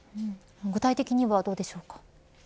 具体的にはどうでしょうか。